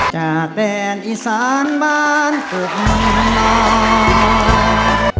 จะเป็นอีสานบ้านเกิดมามา